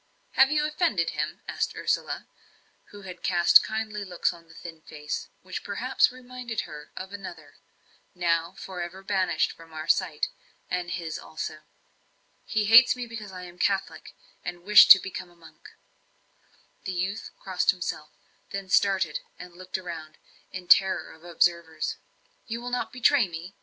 "Have you offended him?" asked Ursula, who had cast kindly looks on the thin face, which perhaps reminded her of another now for ever banished from our sight, and his also. "He hates me because I am a Catholic, and wish to become a monk." The youth crossed himself, then started and looked round, in terror of observers. "You will not betray me?